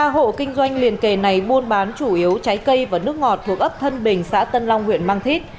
ba hộ kinh doanh liền kề này buôn bán chủ yếu trái cây và nước ngọt thuộc ấp thân bình xã tân long huyện mang thít